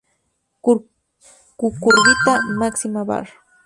Cucurbita maxima var.